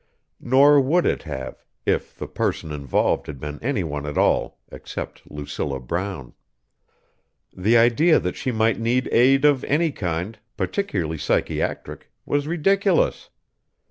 Not would it have, if the person involved had been anyone at all except Lucilla Brown. The idea that she might need aid of any kind, particularly psychiatric, was ridiculous.